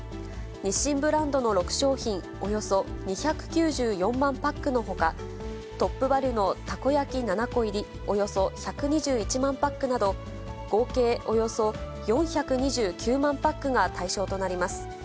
日清ブランドの６商品およそ２９４万パックのほか、トップバリュのたこ焼き７個入りおよそ１２１万パックなど、合計およそ４２９万パックが対象となります。